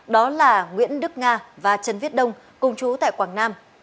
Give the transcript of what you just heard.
đó là nguyễn đức nga và trần viết đông cùng chú tại quảng nam